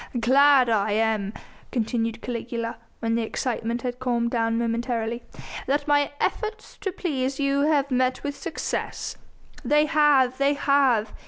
"Glad am I," continued Caligula, when the excitement had calmed down momentarily, "that my efforts to please you have met with success." "They have! They have!"